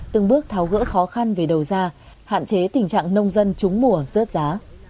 từng bước tháo gỡ khó khăn về đầu ra hạn chế tình trạng nông dân trúng mùa rớt giá